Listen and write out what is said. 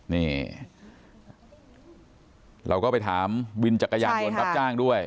นี่เราก็ไปถามวินจักรยานยนต์รับจ้างด้วย